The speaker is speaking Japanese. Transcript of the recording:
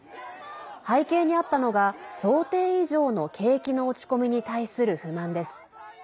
背景にあったのが想定以上の景気の落ち込みに対する不満です。